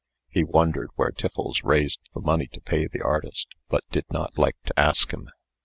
He wondered where Tiffles raised the money to pay the artist, but did not like to ask him.